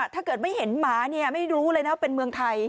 ถ้าเกิดไม่เห็นหมาเนี่ยไม่รู้เลยนะว่าเป็นเมืองไทย